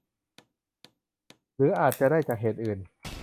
หรืออาจจะได้จากเหตุอื่น